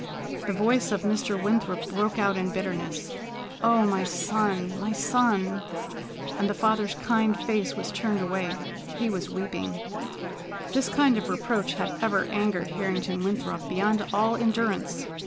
The voice of Mr. Winthrop broke out in bitterness: "Oh, my son, my son!" and the father's kind face was turned away. He was weeping. This kind of reproach had ever angered Harrington Winthrop beyond all endurance.